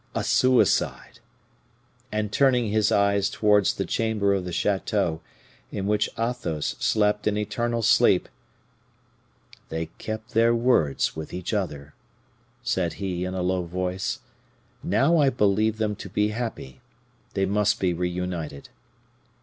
a suicide!" And turning his eyes towards the chamber of the chateau, in which Athos slept in eternal sleep, "They kept their words with each other," said he, in a low voice; "now I believe them to be happy; they must be reunited."